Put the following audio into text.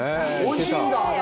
おいしいんだ。